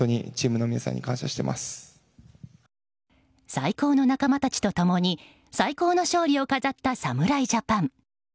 最高の仲間たちと共に最高の勝利を飾った侍ジャパン。